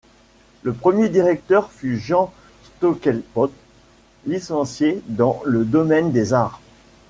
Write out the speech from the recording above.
Le premier directeur fut Jean Stockelpot, licencié dans le domaine des Arts.